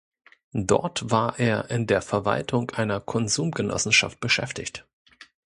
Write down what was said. Dort war er in der Verwaltung einer Konsumgenossenschaft beschäftigt.